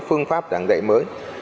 phương pháp giảng dạy mới